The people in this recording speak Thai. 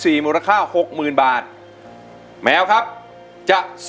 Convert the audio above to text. ทั้งในเรื่องของการทำงานเคยทำนานแล้วเกิดปัญหาน้อย